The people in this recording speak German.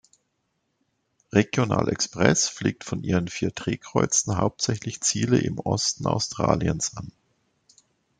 Regional Express fliegt von ihren vier Drehkreuzen hauptsächlich Ziele im Osten Australiens an.